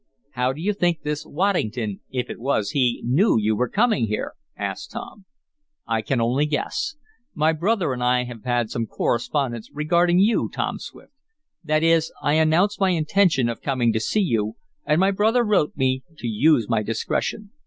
"How do you think this Waddington, if it was he, knew you were coming here?" asked Tom. "I can only guess. My brother and I have had some correspondence regarding you, Tom Swift. That is, I announced my intention of coming to see you, and my brother wrote me to use my discretion.